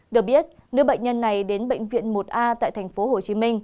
được biết nữ bệnh nhân này đến bệnh viện một a tại tp hcm